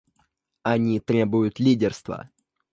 Они требуют лидерства.